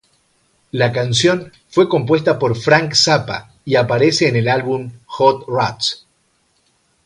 La canción fue compuesta por Frank Zappa y aparece en el álbum "Hot Rats".